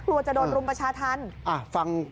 กลัวจะโดนรุมประชาธรรม